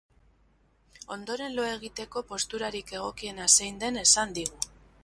Ondoren, lo egiteko posturarik egokiena zein den esan digu.